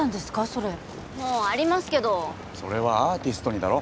それもうありますけどそれはアーティストにだろ？